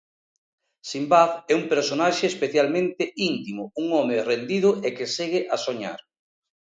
Simbad é un personaxe especialmente íntimo, un home rendido e que segue a soñar.